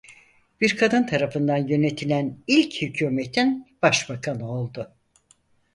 Bir kadın tarafından yönetilen ilk hükûmetin Başbakanı oldu.